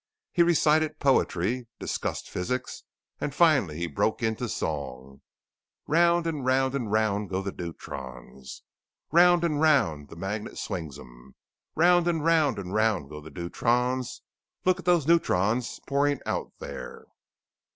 He recited poetry, discussed physics, and finally he broke into song: "_Round and round and round go the deuterons, Round and round the magnet swings 'em Round and round and round go the deutrons. Look at those neutrons pouring out there!